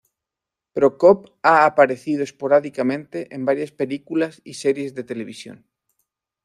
Prokop ha aparecido esporádicamente en varias películas y series de televisión.